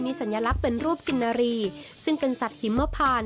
สัญลักษณ์เป็นรูปกินนารีซึ่งเป็นสัตว์หิมพาน